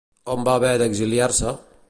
On va haver d'exiliar-se?